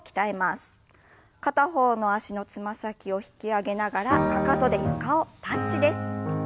片方の脚のつま先を引き上げながらかかとで床をタッチです。